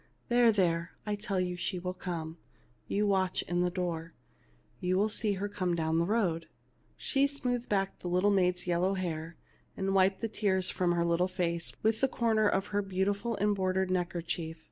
There, there, I tell you she shall come. You watch in the door, and you will see her come down the road." She smoothed back the little maid's yellow hair, and wiped the tears from her little face with a corner of her beautiful embroidered neck erchief.